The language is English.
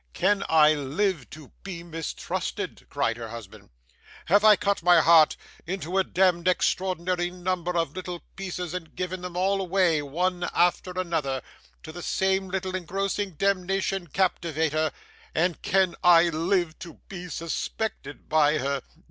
'Can I live to be mistrusted?' cried her husband. 'Have I cut my heart into a demd extraordinary number of little pieces, and given them all away, one after another, to the same little engrossing demnition captivater, and can I live to be suspected by her?